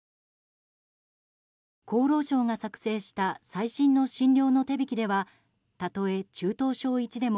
厚労省が作成した最新の診療の手引きではたとえ中等症１でも